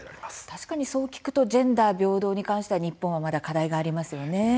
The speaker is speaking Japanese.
確かにそう聞くとジェンダー平等に関しては日本はまだ課題がありますよね。